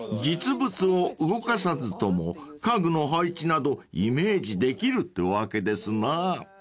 ［実物を動かさずとも家具の配置などイメージできるってわけですな］